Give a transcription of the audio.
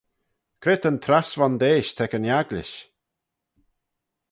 Cre ta'n trass vondeish t'ec yn agglish?